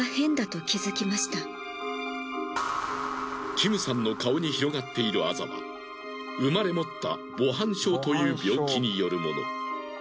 キムさんの顔に広がっているアザは生まれ持った母斑症という病気によるもの。